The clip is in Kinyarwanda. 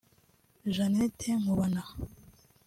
Jannet Nkubana